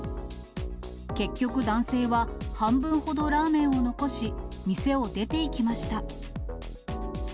結局、男性は半分ほどラーメンを残し、店を出ていきました。